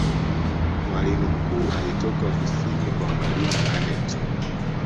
mwalimu mkuu alitoka ofisini kwa mwalimu aneth